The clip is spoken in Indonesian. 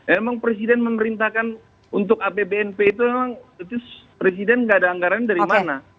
emang presiden memerintahkan untuk apbnp itu memang presiden nggak ada anggaran dari mana